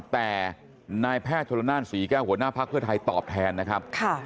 แต่นายแพทย์โชรนรรสี่แก้วหัวหน้าภาคเพื่อไทยตอบแทนนะครับ